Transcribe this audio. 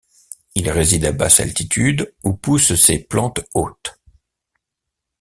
Il réside à basse altitude où poussent ses plantes hôtes.